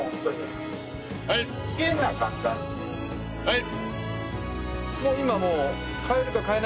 はい。